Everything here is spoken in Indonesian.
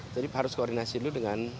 jadi harus koordinasi dulu dengan